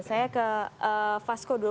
saya ke fasko dulu